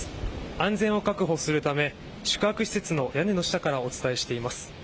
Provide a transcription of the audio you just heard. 安全を確保するため宿泊施設の屋根の下からお伝えしています。